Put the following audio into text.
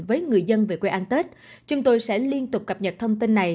với người dân về quê ăn tết chúng tôi sẽ liên tục cập nhật thông tin này